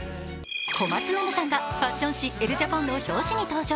小松菜奈さんがファッション誌「ＥＬＬＥＪＡＰＯＮ」の表紙に登場。